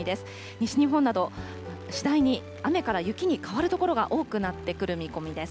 西日本など、次第に雨から雪に変わる所が多くなってくる見込みです。